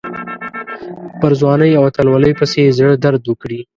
پر ځوانۍ او اتلولۍ پسې یې زړه درد وکړي.